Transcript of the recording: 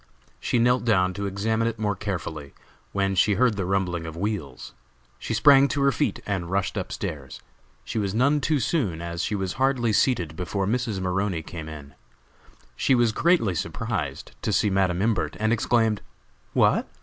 She knelt down to examine it more carefully, when she heard the rumbling of wheels. She sprang to her feet and rushed up stairs. She was none too soon, as she was hardly seated before Mrs. Maroney came in. She was greatly surprised to see Madam Imbert, and exclaimed: "What!